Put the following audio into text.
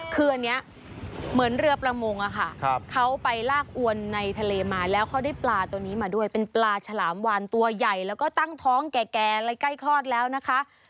คืออันนี้เหมือนเรือประมงอะค่ะเขาไปลากอวนในทะเลมาแล้วเขาได้ปลาตัวนี้มาด้วยเป็นปลาฉลามวานตัวใหญ่แล้วก็ตั้งท้องแก่ใกล้คลอดแล้วนะคะ